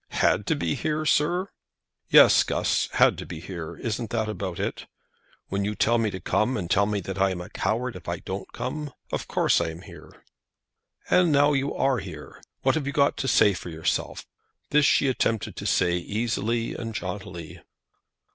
"Had to be here, sir!" "Yes, Guss; had to be here! Isn't that about it? When you tell me to come, and tell me that I am a coward if I don't come, of course I am here." "And now you are here, what have you got to say for yourself?" This she attempted to say easily and jauntily.